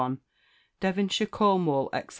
Devonshire, Cornwall, &c.